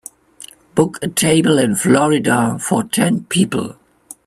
book a table in Florida for ten people